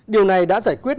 điều này đã giải quyết